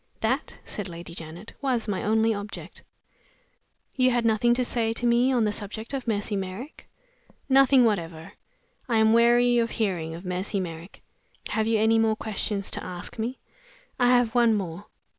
"That," said Lady Janet, "was my only object." "You had nothing to say to me on the subject of Mercy Merrick?" "Nothing whatever. I am weary of hearing of Mercy Merrick. Have you any more questions to ask me?" "I have one more."